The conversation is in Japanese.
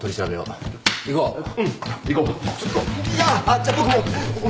じゃ僕も。